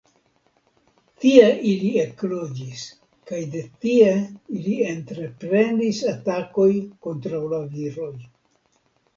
Tie ili ekloĝis kaj de tie ili entreprenis atakoj kontraŭ la viroj.